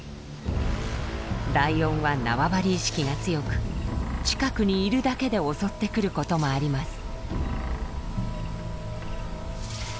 ライオンは縄張り意識が強く近くにいるだけで襲ってくることもあります。